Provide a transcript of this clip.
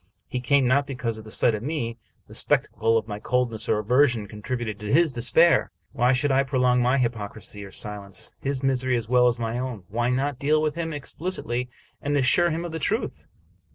He came not because the sight of me, the spectacle of my cold ness or aversion, contributed to his despair. Why should I prolong, by hypocrisy or silence, his misery as well as my own? Why not deal with him explicitly, and assure him of the truth?